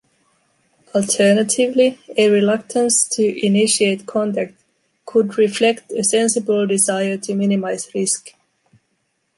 Alternatively, a reluctance to initiate contact could reflect a sensible desire to minimize risk.